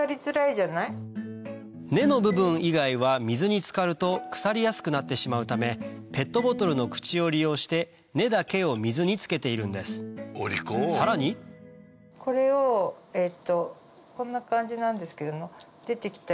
根の部分以外は水につかると腐りやすくなってしまうためペットボトルの口を利用して根だけを水につけているんですさらにこれをこんな感じなんですけどね。